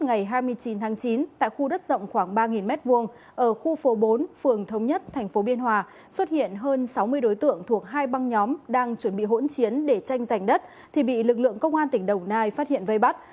ngày hai mươi chín tháng chín tại khu đất rộng khoảng ba m hai ở khu phố bốn phường thống nhất tp biên hòa xuất hiện hơn sáu mươi đối tượng thuộc hai băng nhóm đang chuẩn bị hỗn chiến để tranh giành đất thì bị lực lượng công an tỉnh đồng nai phát hiện vây bắt